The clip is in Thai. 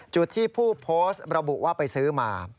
จุดที่ผู้โพสต์ระบุว่าไปซื้อมา